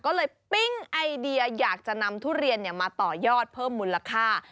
ก็เลยปิ้งไอเดียอยากจะนำทุเรียนมาต่อยอดเพิ่มมูลค่า